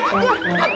sampai mau nyari